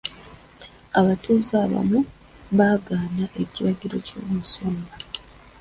Abatuuze abamu baagaana ekiragiro ky'omusumba.